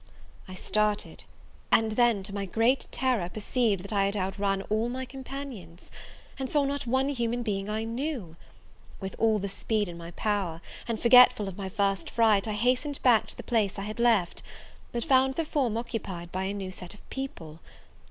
I started; and then, to my great terror, perceived that I had outrun all my companions, and saw not one human being I knew! With all the speed in my power, and forgetful of my first fright, I hastened back to the place I had left; but found the form occupied by a new set of people.